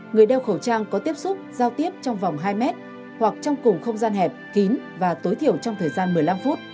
người đeo khẩu trang có tiếp xúc giao tiếp trong vòng hai mét hoặc trong cùng không gian hẹp kín và tối thiểu trong thời gian một mươi năm phút